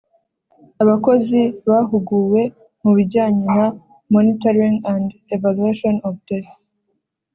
Abakozi bahuguwe mu bijyanye na monitoring and evaluation of the